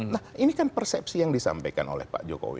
nah ini kan persepsi yang disampaikan oleh pak jokowi